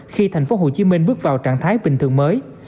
khi thành phố hồ chí minh bước vào trạng thái bình thường mới